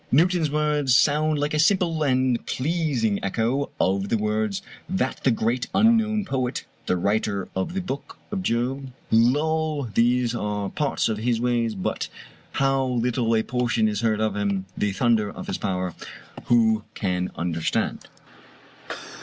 Newton's words sound like a simple and pleasing echo of the words of that great unknown poet, the writer of the book of Job: "Lo, these are parts of His ways, But how little a portion is heard of Him; The thunder of His power, who can understand?"